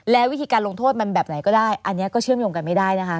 แล้ววิธีการลงโทษมันแบบไหนก็ได้อันนี้ก็เชื่อมโยงกันไม่ได้นะคะ